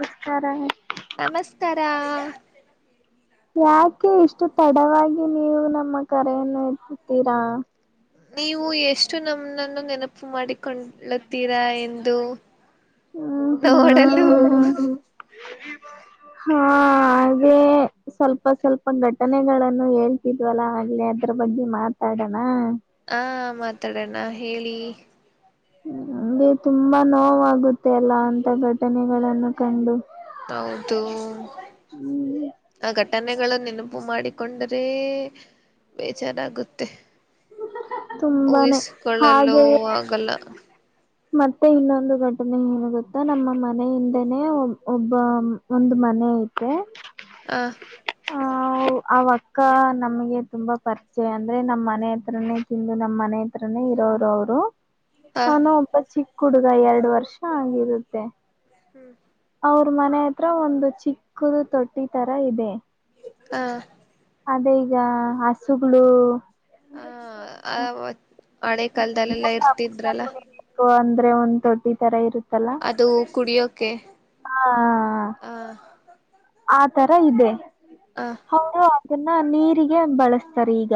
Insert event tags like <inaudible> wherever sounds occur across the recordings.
ನಮಸ್ಕಾರ ನಮಸ್ಕಾರಾ. ಯಾಕೆ ಇಷ್ಟು ತಡವಾಗಿ ನೀವು ನಮ್ಮ ಕರೆಯನ್ನು ಎತ್ತುತ್ತೀರಾ. ನೀವು ಎಷ್ಟು ನಮ್ಮನ್ನು ನೆನಪು ಮಾಡಿಕೊಳ್ಳುತ್ತೀರಾ ಎಂದು ನೋಡಲ್ಲ. ಹ ಹಾ ಹಾಗೇ ಸ್ವಲ್ಪ ಸ್ವಲ್ಪ ಘಟನೆಗಳನ್ನು ಹೇಳ್ ಿದ್ಲ್ಲ ಆಗ್ಲೆ ಅದ್ರ ಬಗ್ಗೆ ಮಾತಾಡೋಣ. ಹ ಮಾತಾಡಣ ಹೇಳಿ. ನಂಗೆ ತುಂಬಾ ನೋವಾಗುತ್ತೆ ಅಲ್ಲಾ ಅಂತ ಘಟನೆಗಳಗಳನ್ನು ಕಂಡು. ಹೌದು. ಆ ಘಟನೆಗಳು ನೆನಪು ಮಾಡಿಕೊಂಡರೆ ಬೇಜಾರಾಗುತ್ತೆ. ತುಂಬಾನೇ ಹೂಯಿಸಕೊಳ್ಳಲ್ಲ ಹಾಗೆಯೇ ಆಗಲ್ಲ. ಮತ್ತೆ ಇನ್ನೊಂದು ಘಟನೆ ಏನು ಗೊತ್ತಾ ನಮ್ಮ ಮನೆಯಿಂದನನೆ ಒಬ್ಬ ಒಂದು ಮನೆ ಐತೆ. ಆ ಹ ಆ ಅಕ್ಕ ನಮಗೆ ತುಂಬಾ ಪರಿಚಯ ಅಂದ್ರೆ ನಮ್ಮ್ ಮನೆ ಹತ್ರರನೇ ತಿಂದು ನಮ್ಮ್ ಮನೆ ಹತ್ರನೇ ಇರೋರು ಅವ್ರು ಹಾ ನಾನೊ ಒಬ್ಬ ಚಿಕ್ಕ ಹುಡುಗ ಎರಡು ವರ್ಷ ಆಗಿರುತ್ತೆ. ಹ್ಮ್ ಅವ್ರ ಮನೆ ಹತ್ರ ಒಂದು ಚಿಕ್ಕದು ತೊಟ್ಟಿ ತರ ಇದೆ. ಹಾ ಅದೇ ಈಗ ಹಸುಗಳು. ಹ ಹಳೆ ಕಾಲದಲ್ಲೆಲ್ಲಾ ಇರ್ತಿದ್ರಲ್ಲ. ಕುಡಿಬೇಕು ಅಂದ್ರೆ ಒಂದ್ ತೊಟ್ಟಿ ತರ ಇರುತ್ತಲ್ಲ. ಅದು ಕುಡಿಯೋಕೆ. ಹಾ ಆ ಆ ತರ ಇದೆ. ಆ ಅವರು ಅದನ್ನ ನೀರಿಗೆ ಬಳಸ್ತಾರೆ ಈಗ.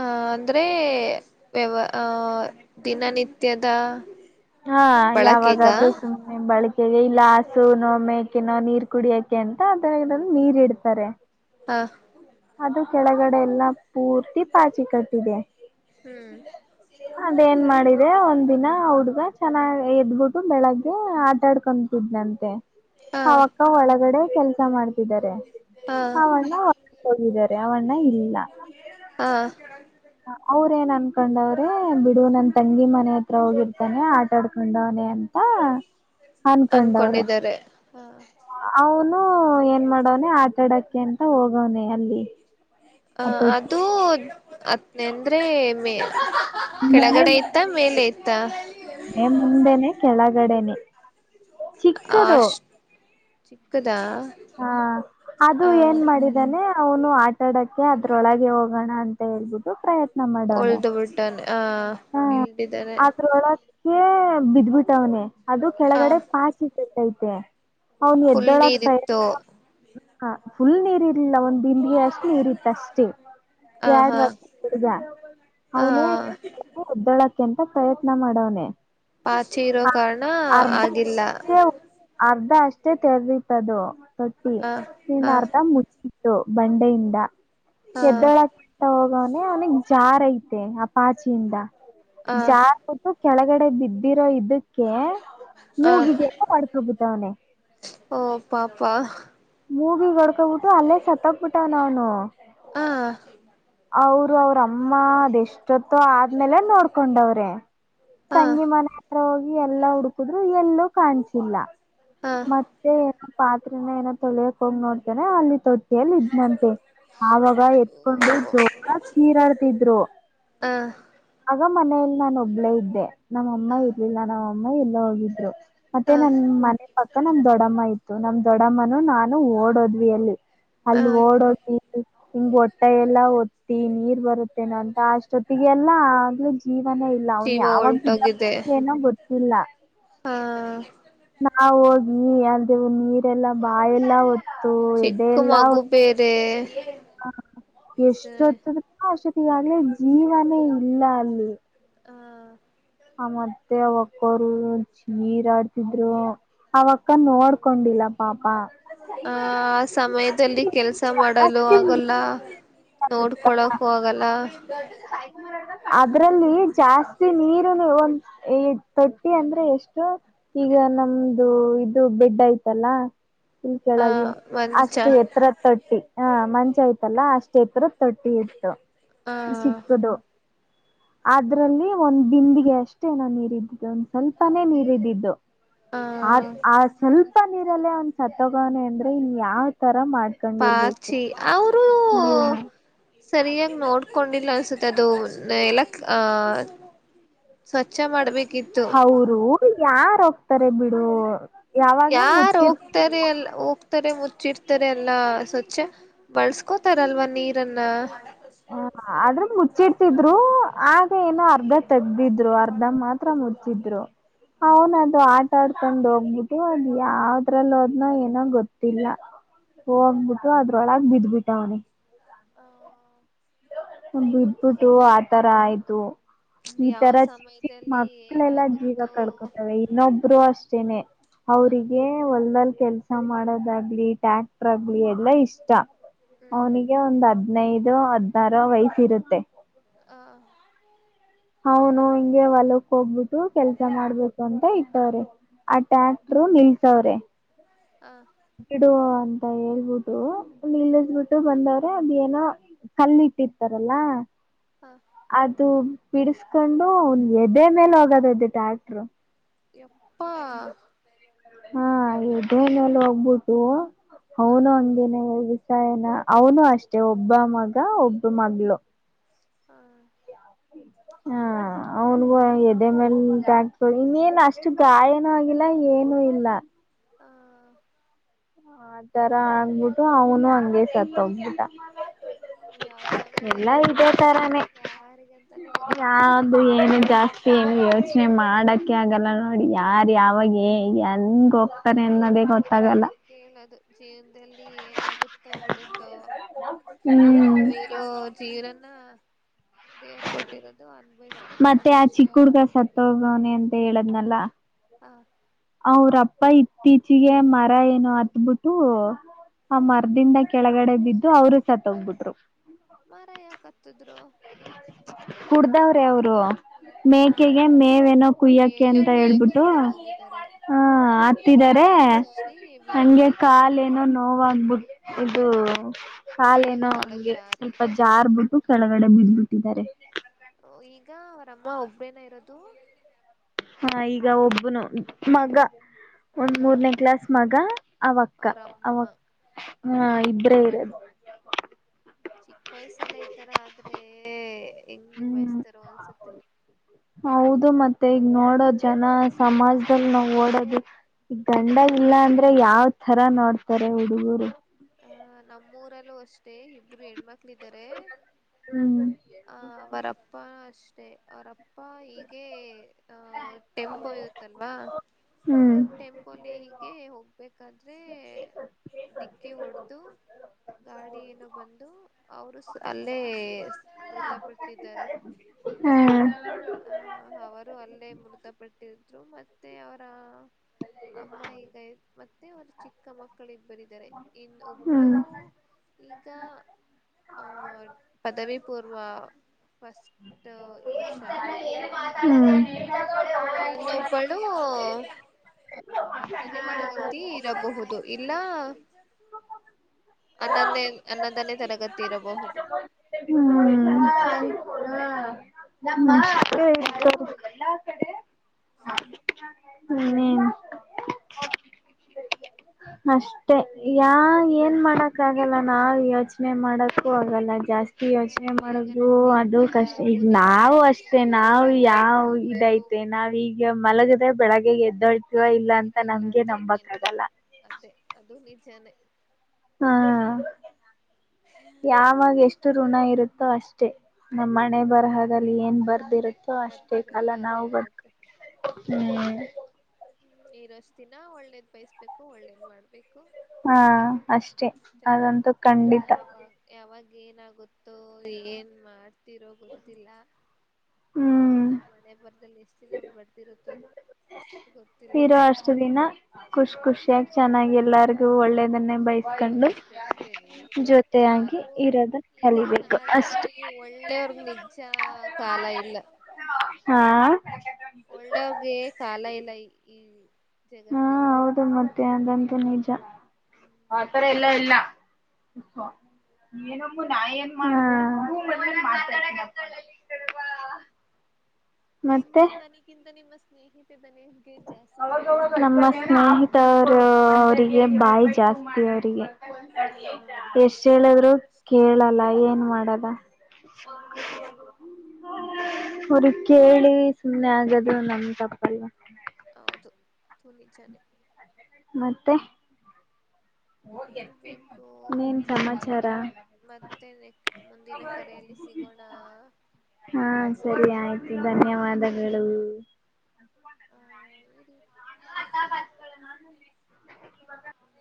ಆ ಅಂದ್ರೆ ವ್ಯವ ದಿನನಿತ್ಯದ ಹಾ ಬಳಕೆಗ ಯಾವಾಗಾದ್ರೂ ಸುಮ್ನೆ ಬಳಿ ಇಲ್ಲ ಹಾಸು ನೋ ಮೇಕೆ ನೋ ನೀರ್ ಕುಡಿಯಕೆ ಅಂತ ಅದ್ರಂದು ನೀರ್ ಇಡ್ತಾರೆ. ಹಾ ಅದು ಕೆಳಗಡೆ ಎಲ್ಲ ಪೂರ್ತಿ ಪಾಚಿ ಕಟ್ಟಿದೆ. ಅದೇಏನ್ ಮಾಡಿದೆ ಒಂದ್ ದಿನ ಹುಡ್ಗ ಚೆನ್ನಾಗ ಎದ್ಬಿಟ್ಟು ಬೆಳಗ್ಗೆ ಆಟಾಡ್ಕೊತಿದ್ನಂತೆ. ಹ ಅವಕ್ಕ ಒಳಗಡೆ ಕೆಲ್ಸ ಮಾಡ್ತಿದ್ದಾರೆ ಹ ಅವ ಹೋಗಿದ್ದಾರೆ ಅವಣ್ಣ ಇಲ್ಲಿಲ್ಲ. ಹಾ ಅವ್ರ ಏನ್ ಅನ್ಕೊಂಡವ್ರೆ ಬಿಡು ನನ್ ತಂಗಿ ಮನೆ ಹತ್ರ ಹೋಗಿರ್ತಾನೆ ಆಟ ಆಡ್ಕೊಂಡವನೇ ಅಂತ ಹಾ ಅನ್ಕೊಂಡಿದ್ದಾರೆ ಹ. ಅವನು ಏನ್ ಮಾಡವನನೆ ಆಟಾಡಕ್ಕೆ ಅಂತ ಹೋಗವನನೆ ಅಲ್ಲಿ. ಹ ಹತೋಟಿ ಅದು ಹತ್ನ ಅಂದ್ರೆ ಮೇ ಕೆಳಗಡೆ ಇತ್ತ ಮೇಲೆ ಇತ್ತ. ನ್ ಮುಂದೆನೆ ಕೆಳಗಡೆನೆೇ. ಅಷ್ಟ ಚಿಕ್ಕದ. ಹಾ ಅದು ಏನ್ ಮಾಡಿದಾನೆ ಅವನು ಆಟಾಡಕ್ಕೆ ಅದ್ರೊಳಗೆ ಹೋಗೋಣ ಅಂತ ಹೇಳ್ಬಿಟ್ಟು ಪ್ರಯತ್ನ ಮಾಡವ್ನೆ. ಟನ್ ಆ ಹಾ ಇಲ್ದಿದ್ದಾನೆ ಆದ್ರ ಒಳಕ್ಕೆ ಬಿದ್ಬಿಟ್ಟವನನೆ ಅದು ಹ ಕೆಳಗಡೆ ಪಾಚಿ ಕಟೈತೆ ಅವ್ನು ಫುಲ್ ಎದ್ದೊಳಕ್ ನೀರಿತ್ತು ಪ್ರಯತ್ನಪಟ್ಟ ಫುಲ್ ನೀರ್ ಇರ್ಲಿಲ್ಲ ಒಂದ್ ಬಿಂದಿಗೆಯಷ್ಟು ನೀರಿತ್ತ ಅಷ್ಟೇ ಎರಡು ಹ ವರ್ಷದ ಹುಡುಗ ಹಾ ಅವನು. ಹ ಎದ್ದೋಳಕೆ ಅಂತ ಪ್ರಯತ್ನ ಮಾಡವನೆ. ಪಾಚಿ ಇರೋ ಹ ಕಾರಣ ಅರ್ಧ ಆಗಿಲ್ಲ. ಅರ್ಧ ಅಷ್ಟೇ ತೆರದಿತ್ತದು ತೊಟ್ಟಿ ಆ ಇನ್ ಆ ಅರ್ಧ ಮು ಇತ್ತು ಬಂಡೆಯಿಂದ ಆ ಎದ್ದೊಳಕೆ ತ ಹೋಗವನನೆ ಅವನಿಗ್ ಜಾರೈತೆ ಆ ಪಾಚಿಯಿಂದ ಆ ಜಾರ್ ಒಟ್ಟು ಕೆಳಗಡೆ ಬಿದ್ದಿರೋ ಇದಕ್ಕೆ ಆ ಮೂಗಿಗೆಲ್ಲ ಮಾಡ್ಕೊಬಿಟ್ಟವನೆ. ಓ ಪಾಪಾ ಹ. ಮೂಗಗ್ ಹೊಡ್ಕೊಬಿಟ್ಟು ಅಲ್ಲೇ ಸತ್ತೋಕ್ಬಿಟೌನೌನು. ಹಾ ಅವರು ಅವ್ರಮ್ಮ ಅದೆಷ್ಟೊತ್ತೋ ಆದ್ಮೇಲೆ ನೋಡ್ಕೊಂಡವ್ರೆ. ಆ ತಂಗಿ ಮನೆ ಹತ್ರ ಹೋಗಿ ಎಲ್ಲಾ ಹುಡುಕುದ್ರು ಎಲ್ಲೂ ಕಾಣ್ಸಿಲ್ಲ. ಆ ಆ ಮತ್ತೆ ಏನೋ ಪಾತ್ರೆನ ಏನೋ ತೊಳಿಯಕ್ ಹೋಗ್ ನೋಡ್ತಾರೆ ಅಲ್ಲಿ ತೊಟ್ಟಿಯಲ್ ಇದ್ನಂತೆ. ಆವಾಗ ಎತ್ಕೊಂಡು ಜೋಕಾಕ್ ಚೀರಾಡ್ತಿದ್ರು. ಹಂ ಆಗ ಮನೆಯಲ್ ನಾನೊಬ್ಳೆ ಇದ್ದೆ. ನಮ್ಮ ಅಮ್ಮ ಇರ್ಲಿಲ್ಲ ನಮ್ಮ ಅಮ್ಮ ಎಲ್ಲೋ ಹೋಗಿದ್ರು ಮತ್ತೆ ಆ ನನ್ ಆ ಮ ಅಕ್ಕ ನಮ್ ದೊಡ್ಡಮ್ಮ ಇತ್ತು ನಮ್ ದೊಡ್ಡಮ್ಮನು ನಾನು ಓಡೋದ್ವಿ ಅಲ್ಲಿ. ಅಲ್ಲಿ ಓಡೋಗಿ. ಹಿಂಗ್ ಹೊಟ್ಟೆ ಎಲ್ಲಾ ಒತ್ತಿ ನೀರ್ ಬರುತ್ತೇನ ಅಂತ ಅಷ್ಟೊತ್ತಿಗೆ ಎಲ್ಲಾ ಆ ಜೀವನೇ ಇಲ್ಲ ಅವ್ನ್ ಜೀವ ಯಾವಾಗ ಹೊಲ್ಟೋಗಿದೆ ಬಿದ್ದವ್ನೇನೋ ಗೊತ್ತಿಲ್ಲ. ಹಾ ನಾವಿ ಹೋಗಿ ಅದು ನೀರ್ ಎಲ್ಲ ಬಾಯೆಲ್ಲಾ ಒತ್ತು ಎದೆ ಚಿಕ್ಕ ಎಲ್ಲಾ ಮಗು ಬೇರೆ ಒತ್ತಿದಿವಿ ಎಷ್ಟೊತ್ತದ ಅಷ್ಟೊತ್ತಿಗಾಗ್ಲೇ ಜೀವನೇ ಇಲ್ಲ ಅಲ್ಲಿ. ಆ ಆ ಮತ್ತೆ ಅವಕ್ಕರು ಚೀರಾಡ್ತಿದ್ರು. ಆವಕ್ಕ ನೋಡ್ಕೊಂಡಿಲ್ಲ ಪಾಪ. ಆ ಸಮಯದಲ್ಲಿ ಕೆಲಸ ಮಾಡಲು ಜಾಸ್ತಿ ಆಗಲ್ಲ. ಗೊತ್ತಾ ನೋಡ್ಕೊಳ್ಳಕು ಆಗಲ್ಲ. ಅದ್ರಲ್ಲಿ ಜಾಸ್ತಿ ನೀರುನು ಒಂದ್ ಈ ತೊಟ್ಟಿ ಅಂದ್ರೆ ಎಷ್ಟು ಈಗ ನಮ್ದು ಇದು ಬೆಡ್ ಐತಲ್ಲ. ಹ ಆ ಕೆಳಗೆ ಮಂಚ ಅಷ್ಟು ಎತ್ತರ ತೊಟ್ಟಿ. ಹಾ ಮಂಚ ಐತಲ್ಲ ಅಷ್ಟು ಎತ್ತರ ತೊಟ್ಟಿ ಇತ್ತು. ಆ ಚಿಕ್ಕದು ಅದ್ರಲ್ಲಿ ಒಂದ್ ಬಿಂದಿಗೆ ಅಷ್ಟೇ ಎನೊ ನೀರ ಇದಿದ್ದು. ಸ್ವಲ್ಪಾನೇ ನೀರಿದ್ದಿದ್ದು ಆ ಆ ಸ್ವಲ್ಪ ನೀರಲ್ಲೇ ಅವ್ನ್ ಸತ್ತೋಗವ್ನೆ ಅಂದ್ರೆ ಇನ್ ಯಾವ್ತರ ಮಾಡಿ ಪಾಚಿ ಅವರು. ಸರಿಯಾಗಿ ನೋಡ್ಕೊಂಡಿಲ್ಲ ಅನ್ಸುತ್ತೆ ಅದು ಎಲ್ಲ ಆ ಸ್ವಚ್ಛ ಮಾಡ್ಬೇಕ್ ಹೌರು ಯಾರ ಹೋಗ್ತಾರೆ ಬಿಡು ಯಾವಾಗ್ಲು ಮುಚ್ಚಿ ತ್ತರೆ ಎಲ್ಲ ಹೋಗ್ತಾರೆ ಮುಚ್ಚಿರ್ತಾರೆ ಎಲ್ಲಾ ಸ್ವಚ್ಛ ಬಳ್ಸ್ಕೋತಾರಲ್ವಾ ನೀರನ್ನ. ಅ ಆದ್ರೆ ಮುಚ್ಚಿಡ್ತಿದ್ರು ಆಗ ಏನೋ ಅರ್ಧ ತೆಗ್ದಿದ್ರು ಅರ್ಧ ಮಾತ್ರ ಮುಚ್ಚಿದ್ರು. ಅವನ ಅದು ಆಟ ಆಡ್ಕೊಂಡ್ ಹೋಗ್ಬಿುಟ್ಟು ಅದ್ ಯಾವ್ದ್ರಲ್ಲ ಹೋದ್ನೋ ಏನೋ ಗೊತ್ತಿಲ್ಲ. ಹೋಗ್ಬಿಟ್ಟು ಅದ್ರೊಳಗ ಬಿದ್ಬಿಟ್ಟಾವನೆ. ಅ ಬಿಟ್ಬಿಟ್ಟು ಆತರ ಆಯ್ತು. ಈ ಯಾವ ತರ ಚಿಕ್ಕ ಚಿಕ್ಕ ಸಮಯದಲ್ಲಿ ಮಕ್ಳೆಲ್ಲ ಜೀವ ಏನಾಗುತ್ತೋ ಕಳ್ಕೊತವೆ ಇನ್ನೊಬ್ರು ಅಷ್ಟೇನೆ. ಆ ಅವ್ರಿಗೆ ಹೊಲ್ದಲ್ಲಿ ಕೆಲ್ಸ ಮಾಡೋದಾಗ್ಲಿ ಟ್ಯಾಕ್ಟರ್ ಆಗ್ಲಿ ಎಲ್ಲ ಇಷ್ಟ. ಹ್ಮ್ ಅವನಿಗೆ ಒಂದ್ ಹದ್ನೈದು, ಹದ್ನಾರು ವಯಸ್ಸ್ ಇರುತ್ತೆ. ಅ ಅವನು ಹಿಂಗೆ ಹೊಲಕ್ ಹೋಗ್ಬಿಟ್ಟು ಕೆಲ್ಸ ಮಾಡ್ಬೇಕು ಅಂತ ಇಟ್ಟಾರೆ. ಆ ಟ್ಯಾಕ್ಟ್ರು ನಿಲ್ಸವ್ರೆ. ಅ ಓಕೆ ಬಿಡು ಅಂತ ಹೇಳ್ಬಿಟ್ಟು ನಿಲ್ಲಿಸಬಿಟ್ಟು ಬಂದವ್ರೆ ಅದೇನೋ ಕಲ್ಲ ಇಟ್ಟಿರ್ತಾರಲ್ಲಾ ಹ ಅದು ಬಿಡಿಸಕೊಂಡು ಅವನ್ ಎದೆ ಮೇಲೆ <unintelligible> ಟ್ಯಾಕ್ಟ್ರು. ಎಪ್ಪ ಹಾ ಎದೆ ಮ್ಯಾಲ್ ಹೋಗ್ಬಿಟ್ಟು ಆ ಅವನು ಹಂಗೇನೆ ವಿಸಾಯನ ಅವನು ಅಷ್ಟೆ ಒಬ್ಬ ಮಗ, ಒಬ್ಬ ಮಗಳು. ಹಾ ಅ ಅವನ್ಗೂ ಎದೆ ಮೇಲ್ <unintelligible> ಇನ್ನೇನ್ ಅಷ್ಟು ಗಾಯನೂ ಆಗಿಲ್ಲ ಏನು ಇಲ್ಲ. ಅ ಆತರ ಆಗ್ಬಿಟ್ಟು ಅವನು ಹಂಗೆ ಸತ್ತೋಗ್ಬಿಟ್ಟ. ಯಾವ ಎಲ್ಲಾ ಸಮಯದಲ್ಲಿ ಇದೇ ಏನಾಗುತ್ತೆ ತರಾನೇ ಯಾರಿಗಂತಾನೆ ಗೊತ್ತಾಗಲ್ಲ. ಅದು ಏನು ಜಾಸ್ತಿ ಹೆಂಗ್ ಯೋಚನೆ ಮಾಡಕ್ಕೆ ಆಗಲ್ಲ ನೋಡಿ ಯಾರ ಯಾವಾಗ <unintelligible> ಹೆಂಗ ಹೋಗ್ ಗ್ತಾರೆ ಅನ್ನೋದೆ ಗೋ ಅದಕ್ಕೆ ಅನ್ನೋದು ಜೀವ ದಲ್ಲಿ ಏನಾಗುತ್ತ ಬಿಡುತ್ತೋ ಹ್ಮ್ ನಾವಿರೋ <unintelligible> ದೇವರ್ ಕೊಟ್ಟಿರೋದು ಅನ್ಬಯಸ್ಕೊಂಡು ಖುಷಿ ಖುಷಿ ಆಗಿರ್ಬೇಕು. ಅವ್ನೆ ಅಂತ ಹೇಳದ್ನಲ್ಲ. ಹಾ ಅವ್ರಪ್ಪ ಇತ್ತೀಚಿಗೆ ಮರ ಏನೋ ಹತ್ಬಿಟ್ಟು ಆ ಹ ಮರದಿಂದ ಕೆಳಗಡೆ ಬಿದ್ದು ಅವರು ಸತ್ತ್ ಹೋಗ್ಬಿಟ್ರು. ಮರ ಯಾಕ್ ಹತ್ತದ್ರು. ಕುಡ್ದಾವ್ರೆ ಅವರು. ಆ ಮೇಕೆಗೆ ಮೇವೇನೋ ಕುಯ್ಯಕೆ ಮೇವು ಅಂತ ಹೇಳ್ಬಿಟ್ಟು ಕೊಯ್ಯಕಂತ ಹೋಗಿದ್ದಾರೆ ಹಾ ಹತ್ತಿದಾರೆ ಕೈ ಜಾರಿ ಹಂಗೆ ಬಿದ್ಬಿಟ್ಟಿದ್ದಾರೆ ಕಾಲ ಇನ್ನೋ ನೋವ ಅಂದ್ ಅಂದ್ಬಿಟ್ಟು ಇದು ಕಾಲ ಕೈಯ ಏನೋ ಕಾಲ ಹಂಗೆ ಜಾರಿ ಸ್ವಲ್ಪ ಇದೆ ಜಾರ್ ಬಿಟ್ಟು ಕೆಳಗಡೆ ಬಿದ್ದ್ ಬಿಟ್ಟಿದ್ದಾರೆ. ಈಗ ಅವರಮ್ಮ ಒಬ್ಬ್ರೇನೆ ಇರೋದು. ಹಾ ಈಗ ಒಬ್ಬನು ಮಗ ಒಂದ್ ಮಗ ಮೂರನೇ ಕ್ಲಾಸ್ ಮಗ ಅವಕ್ಕ ಅವ ಅವರಮ್ಮ ಆ ಹ ಇಬ್ಬರೆ ಇರೋದು ಚಿಕ್ಕ ವಯಸ್ಸಲ್ಲೆ ಈತರ ಆದ್ರೆ ಹೆಂಗೆ ಹ್ಮ್ ಬಯಸ್ತಾರೋ ಅನ್ಸತ್ತೆ ಹೌದು ಮತ್ತೆ ಈಗ ನೋಡೋ ಜನ ಸಮಾಜದಲ್ಲಿ ನಾವು ಓಡೋದು ಈ ಗಂಡ ಇಲ್ಲ ಓಡಾಡಕ್ಕೂ ಅಂದ್ರೆ ಆಗಲ್ಲ ಯಾವ್ ತರ ನೋಡ್ತಾರೆ ಹುಡುಗೂರು ಹ ನಮ್ಮೂರಲ್ಲೂ ಅಷ್ಟೇ ಇಬ್ಬರು ಹೆಣ್ಮಕ್ಳಇದ್ದಾರೆ ಹ್ಮ್ ಆ ಅವರಪ್ಪ ಅಷ್ಟೆ ಅವರಪ್ಪ ಹೀಗೇ ಆ ಟೆಂಪೋ ಇವತ್ತಲ್ವಾ ಹ್ಮ್ ಟೆಂಪೋಲಿ ಹಿಂಗೆ ಹೋಗ್ಬೇಕಾದ್ರೆ <inaudible> ಡಿಕ್ಕಿ ಹೊಡೆದು ಗಾಡಿ ಏನು ಬಂದು ಅವರು ಸು ಅಲ್ಲೇ ಮೃತಪಟ್ಟಿದ್ದಾರೆ. ಹ್ಮ್ ಆಹ ಅವರು ಅಲ್ಲೇ ಮೃತಪಟ್ಟಿದ್ರು ಮತ್ತೆ ಅವರ ಅಮ್ಮ ಈಗ ಮತ್ತೆ ಒಂದ್ ಚಿಕ್ಕ ಮಕ್ಕಳ ಇಬ್ಬರ ಬ್ರಿದ್ದಾರೆ ಇನ್ ಒಬ್ಳು ಹ್ಮ್ ಈಗಾ.... ಹ ಪದವಿ ಪೂರ್ವ <inaudible> ಫಸ್ಟ ವ ಏನೂ ಮಾತಾಡೋದೇ ಯಲ್ಲ ಕೊಡಿ ಅವರ ಅಂತೇ ಹ್ಮ್ ಅವಳು <inaudible> ಹತ್ತನೇ ತರಗತಿ ಇರಬಹುದು ಇಲ್ಲ ಅನ್ನೋದ್ದನೆ ಅನ್ನಂದನೇ ತರಗತಿ ಇರಬಹುದು ನೋಡಿರತವ ಹ್ಮ್ <inaudible> ಹ್ಮಹಾ <unintelligible> <inaudible> ಇನ್ನೇನ ಅಷ್ ಮತ್ತೆ ಯಾ ಏನ್ ಮಾಡಕ್ ಆಗಲ್ಲ ನಾವ್ ಯೋಚನೆ ಮಾಡಕ್ಕೂ ಆಗಲ್ಲ ಜಾಸ್ತಿ ಹ ಯೋಚನೆ ಈಗ ಮಾಡೋದು ನೋಡಿ ಅದು ಕಷ್ಟ ಈಗ ಪುನೀತ್ ನಾವು ಅಷ್ಟೇ ರಾಜ್ಕುಮಾರ್ ನಾವು ಅವರು ಇವರು ಯಾವ್ ಇದಐ್ತ ಮತ್ತೆ ನಾವ ಈಗ ಮಲಗದೆ ಬೆಳಗ್ಗೆ ಎದ್ದಳ್ತೀವ ಇಲ್ಲ ಅಂತ ನಮ್ಗೆ ನಂಬಕ್ ಆಗಲ್ಲ ಅಷ್ಟೇ ಅದು ನಿಜಾನೆ ಹಾ <inaudible> ಯಾವಾಗ ಎಷ್ಟು ಋಣ ಇರುತ್ತೋ ಅಷ್ಟೇ ನಮ್ಮ್ ಹಣೆ ಹ್ಮ್ ಬರಹದಲ್ಲಿ ಏನ್ ಬರ್ದಿರ ಹು ಅಷ್ಟೇ ಕಾಲ ಬರ್ತಿರುತ್ತೆ ಅದೇ ನಾವು ಬರ್ಕ ಆಗುತ್ತೆ ಹ್ಮ್ ಇರಸ್ಟ್ ದಿನ ಒಳ್ಳೇದ್ ಬಯಸ್ಬೇಕು ಒಳ್ಳೇದ್ ಮಾಡ್ಬೇಕು ಹಾ ಅಷ್ಟೇ ಅಷ್ಟೆ <inaudible> ಅದಂತೂ ಖಂಡಿತ ಯಾವಾಗ ಯಾವಾಗ ಏನಾಗುತ್ತೋ ಏನ್ ಮಾಡ್ತಿರೋ ಗೊತ್ತಿಲ್ಲ ಹ್ಮ್ ನಮ್ಮ್ ಹಣೆ ಬರ್ದಲ್ಲಿ ಎಷ್ಟು ದಿನ ಬರ್ದಿರುತ್ತೋ ಗೊತ್ತಿಲ್ಲ ಇರೋ ಅಷ್ಟ ದಿನ ಖುಷ ಖುಷಿಯಾಗಿ ಚೆನ್ನಾಗಿ ಎಲ್ಲರಿಗು ಒಳ್ಳೇದನ್ನೇ ಬಯಸ ಕಕೊಂಡು ಬಯಸ್ಬೇಕು ಇರ್ಬೇಕು <inaudible> ಜೊತೆಯಾಗಿ ಇರೋದನ್ನ ಕಲಿಬೇಕು ಅಷ್ಟೇ ಒಳ್ಳೆವರ್ಗ ನಿಜ್ಜಾ ಕಾಲ ಇಲ್ಲ ಹಾ <inaudible> ಒಳ್ಳಗೆ ಕಾಲ ಇಲ್ಲ ಈ ಹಾ ಜಗತ್ತದಲ್ಲಿ ಹೌದು ಮತ್ತೆ ಅದ ಅಂತು ನಿಜಾ <inaudible> ಅತಾರಾಯಲ್ಲಾ ಇಲ್ಲಾ <unintelligible> ಏನಮ್ಮು ನಾ ಏನ್ ಮಾಡಬೇಕು ಹಾ ಫೋನ್ ನಲ್ಲಿ ಮಾತಾಡಾಕತ್ತಾಳ್ ಈಕಡೆ ಬಾ <inaudible> ನಿನ್ನ ಧ್ವನಿಗಿಂತ ನಿಮ್ಮ ಸ್ನೇಹಿತ ಧ್ವನಿ ಗೆ ಜಾಸ್ತಿ ಕೇಳಿಸುತ್ತಿದೆ ಸರ್ರೂ ಅವರಿಗೆ ಬಾಯಿ ಜಾಸ್ತಿ ಅವರಿಗೆ ಹ ಅವರಿಗೆ ಎಷ್ಟ ಎಷ್ಟು ಹೇಳಿದ್ರು ಹೇಳಿದರು ಅಷ್ಟೇ ಕೇಳಲ್ಲ ಏನ್ ಮಾಡದ ಹ <unintelligible> ಅವ್ರಿಗ್ ಕೇಳಿ ಸುಮ್ಮ್ನೆ ಆಗದು ನಮ ತಪ್ಪಲ್ಲ ಹೌದು ಪುಲಿಚೆಲಿ ಮತ್ತೆ ಹೇಳ್ಬೇಕು ಇನೆನ್ ಸಮಾಚಾರಾ ಮತ್ತೆ ನೆಕ್ ಮುಂದಿನ ಕರೆಯಲ್ಲಿ ಸಿಗೋಣ ಹಾ ಸರಿ ಆಯ್ತು ಧನ್ಯವಾದಗಳು ಹಾ ಹೇಳರಿ <unintelligible>